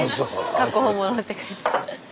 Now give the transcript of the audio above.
カッコ本物って書いて。